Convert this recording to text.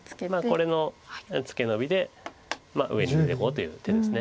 これのツケノビで上に出ていこうという手です。